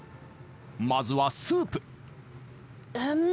まずはスープ